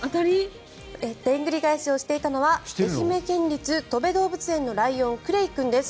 でんぐり返しをしていたのは愛媛県立とべ動物園のライオンクレイ君です。